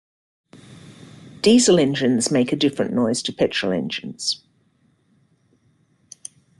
Diesel engines make a different noise to petrol engines.